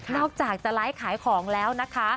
อกจากจะไลฟ์ขายของแล้วนะคะ